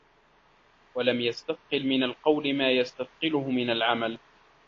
وَلَمْ يَسْتَثْقِلْ مِنْ الْقَوْلِ مَا يَسْتَثْقِلُهُ مِنْ الْعَمَلِ